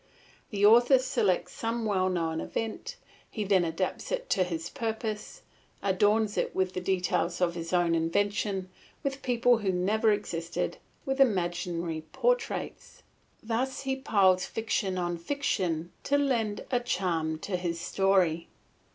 The author selects some well known event, he then adapts it to his purpose, adorns it with details of his own invention, with people who never existed, with imaginary portraits; thus he piles fiction on fiction to lend a charm to his story.